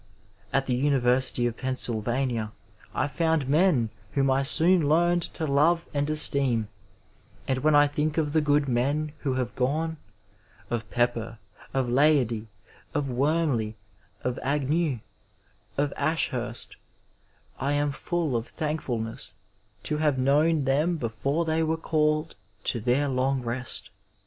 At the University of Pennsylvania I found men whom I soon learned to love and esteem, and when I think of the good men who have gone — of Pepper, of Leidy, of Wormley, of Agnew, of Ashhurst — ^I am full of thankfulness to have known them before they were called to their long rest.